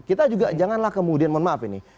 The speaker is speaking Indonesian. kita juga janganlah kemudian mohon maaf ini